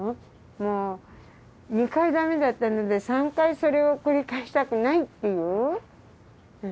もう二回ダメだったので三回それを繰り返したくないという。